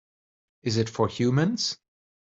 Is it for humans?